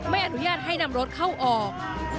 ไม่อนุญาตให้นำรถเข้าออก